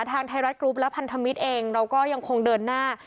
ทางไทยรัฐกรุ๊ปและพันธมิตรเองเราก็ยังคงเดินหน้า